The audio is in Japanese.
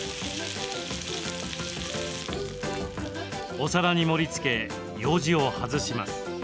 お皿に盛りつけようじを外します。